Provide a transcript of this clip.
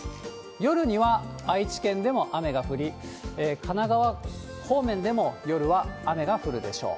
夜には、愛知県でも雨が降り、神奈川方面でも夜は雨が降るでしょう。